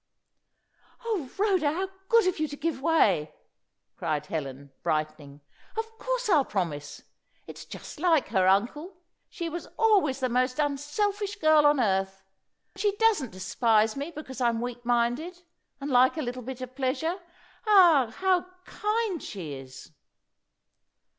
"O Rhoda, how good of you to give way!" cried Helen, brightening. "Of course I'll promise. It's just like her, Uncle: she was always the most unselfish girl on earth! She doesn't despise me because I'm weak minded, and like a little bit of pleasure. Ah, how kind she is!"